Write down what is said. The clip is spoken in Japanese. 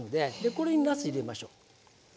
これになす入れましょう。